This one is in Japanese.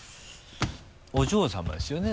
お嬢さまですよね？